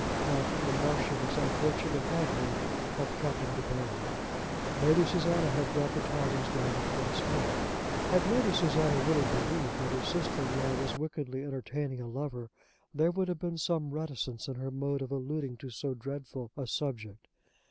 Now the Marchioness unfortunately had heard of Captain De Baron. Lady Susanna had brought the tidings down to Cross Hall. Had Lady Susanna really believed that her sister in law was wickedly entertaining a lover, there would have been some reticence in her mode of alluding to so dreadful a subject.